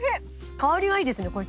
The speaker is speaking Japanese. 香りがいいですねこれ。